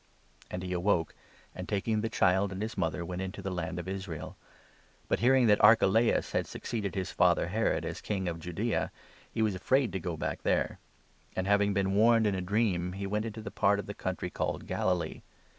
And he awoke, and, taking the child and his mother, went into 21 the Land of Israel. But, hearing that Archelaus had succeeded 22 his father Herod as King of Judaea, he was afraid to go back there ; and, having been warned in a dream, he went into the part of the country called Galilee.